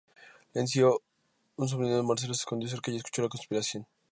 Leoncio, un subordinado de Marcelo, se escondió cerca y escuchó la conspiración.